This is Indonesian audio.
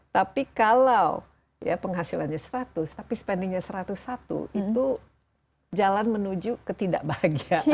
tapi kalau ya penghasilannya seratus tapi spendingnya satu ratus satu itu jalan menuju ke tidak bahagia